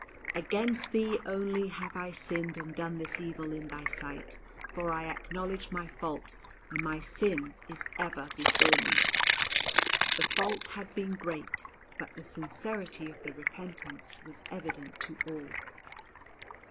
"Against Thee only have I sinned and done this evil in Thy sight: For I acknowledge my fault, and my sin is ever before me." The fault had been great, but the sincerity of the repentance was evident to all.